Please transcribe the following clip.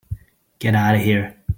Get out of here.